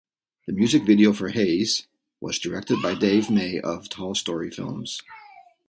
The music video for "Haze" was directed by Dave May of Tall Story Films.